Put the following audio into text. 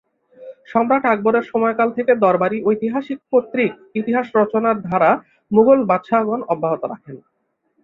সম্রাট আকবরের সময়কাল থেকে দরবারি-ঐতিহাসিক কর্তৃক ইতিহাস রচনার ধারা মুগল বাদশাহগণ অব্যাহত রাখেন।